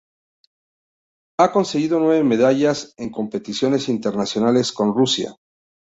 Ha conseguido nueve medallas en competiciones internacionales con Rusia.